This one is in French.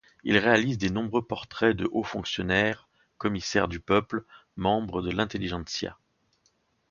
Il réalise des nombreux portraits de hauts fonctionnaires, commissaires du peuple, membres de l'intelligentsia.